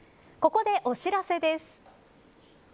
ここでお知らせです。